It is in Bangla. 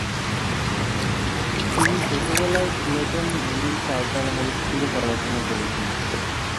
তিনি ছোট বেলায় ক্লেটন ভ্যালি চার্টার হাই স্কুলে পড়াশোনা করেছেন।